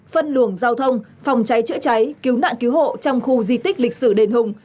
phân luồng giao thông phòng cháy chữa cháy cứu nạn cứu hộ trong khu di tích lịch sử đền hùng